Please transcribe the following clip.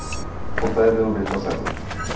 Poté byl vyřazen.